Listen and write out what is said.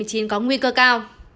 có nguy cơ cao